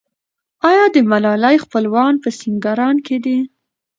آیا د ملالۍ خپلوان په سینګران کې دي؟